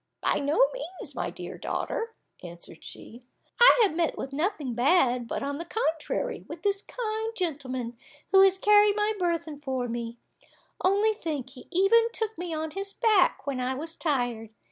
"By no means, my dear daughter," answered she, "I have met with nothing bad, but, on the contrary, with this kind gentleman, who has carried my burthen for me; only think, he even took me on his back when I was tired.